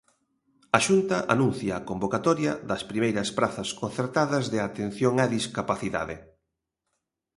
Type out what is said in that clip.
A Xunta anuncia a convocatoria das primeiras prazas concertadas de atención á discapacidade.